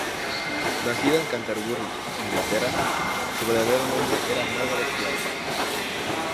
Nacida en Canterbury, Inglaterra, su verdadero nombre era Margaret Clark.